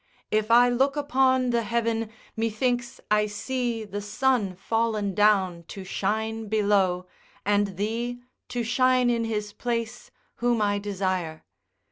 If I look upon the heaven, methinks I see the sun fallen down to shine below, and thee to shine in his place, whom I desire.